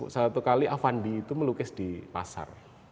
satu kali avandi itu melukis di pasar